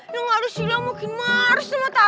ya gak ada stila makin marah sama tata